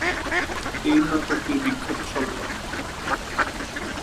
এ নাটকের বিখ্যাত সংলাপ